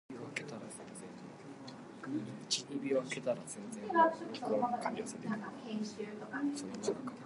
However, such stations have never been required to broadcast in stereo.